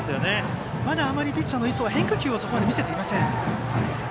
まだあまりピッチャーの磯は変化球をそこまで見せていません。